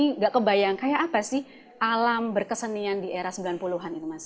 nggak kebayang kayak apa sih alam berkesenian di era sembilan puluh an itu mas